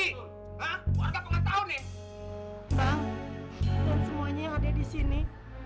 bang dan semuanya yang ada di sini